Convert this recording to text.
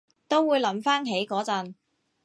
都會諗返起嗰陣